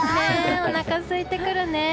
おなかすいてくるね。